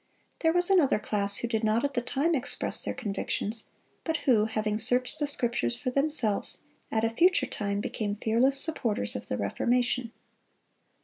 There was another class who did not at the time express their convictions, but who, having searched the Scriptures for themselves, at a future time became fearless supporters of the Reformation.